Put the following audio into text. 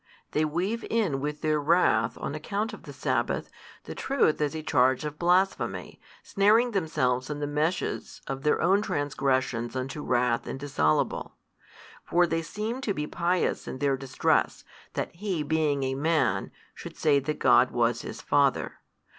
They weave in with their wrath on account of the sabbath, the truth as a charge of blasphemy, snaring themselves in the meshes of |245 their own transgressions unto wrath indissoluble. For they seemed to be pious in their distress that He being a Man, should say that God was His Father.